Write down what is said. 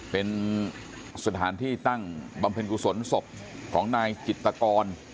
เป็นสถานที่ตั้งบำเพ็ญกุศลศพของนายจิตกร